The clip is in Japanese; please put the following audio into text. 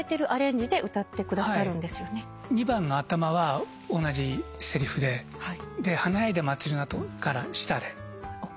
２番の頭は同じセリフで「華やいだ祭りの後」から下で。